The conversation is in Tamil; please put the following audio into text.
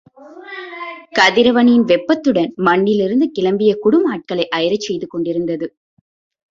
கதிரவனின் வெப்பத்துடன், மண்ணிலிருந்து கிளம்பிய குடும் ஆட்களை அயரச் செய்து கொண்டிருந்தது.